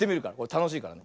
たのしいからね。